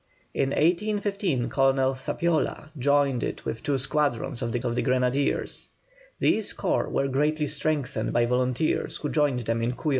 In 1815 Colonel Zapiola joined it with two squadrons of the Grenadiers. These corps were greatly strengthened by volunteers, who joined them in Cuyo.